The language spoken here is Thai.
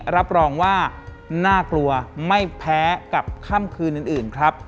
รับรองว่าน่ากลัวไม่แพ้กับค่ำคืนอื่นครับ